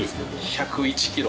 １０１キロ。